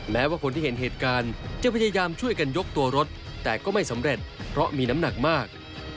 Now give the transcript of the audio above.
แม้ว่าคนที่เห็นเหตุการณ์จะพยายามช่วยกันยกตัวรถแต่ก็ไม่สำเร็จเพราะมีน้ำหนักมาก